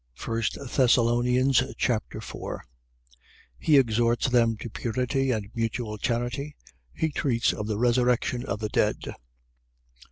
1 Thessalonians Chapter 4 He exhorts them to purity and mutual charity. He treats of the resurrection of the dead.